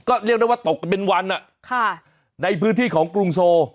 ก็เรียกได้ว่าตกกันเป็นวันในพื้นที่ของกรุงโซ